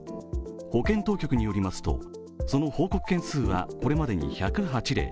保健当局によりますとその報告件数はこれまでに１０８例。